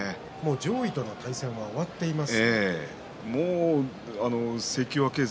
上位との対戦が終わっています。